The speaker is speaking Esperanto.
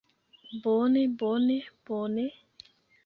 Bone, bone, bone...